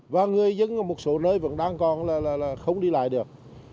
và người dân ở một số nơi vẫn đang còn không đi lại được